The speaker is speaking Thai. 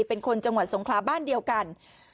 เป็นคนจังหวัดสงคราบ้านเดียวกัน